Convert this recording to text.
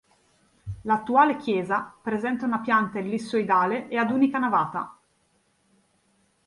L'attuale chiesa presenta una pianta ellissoidale e ad unica navata.